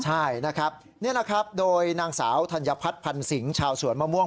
ใช่นะครับนี่แหละครับโดยนางสาวธัญพัฒน์พันธ์สิงห์ชาวสวนมะม่วง